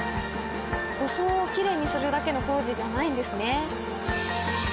装をきれいにするだけの工事じゃないんですね。